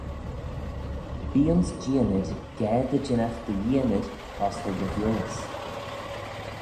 Bee ayns jeeanid ga dy jinnagh dty yeeanid costal dy vioys.